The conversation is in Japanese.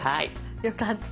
よかった。